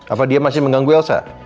apa dia masih mengganggu elsa